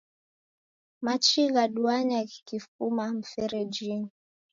Machi ghaduagha ghikifuma mferejinyi